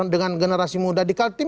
dengan generasi muda di kaltim